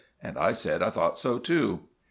And I said I thought so too. Mr.